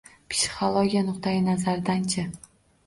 Psixologiya nuqtai nazaridanchi?